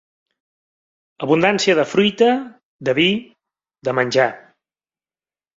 Abundància de fruita, de vi, de menjar.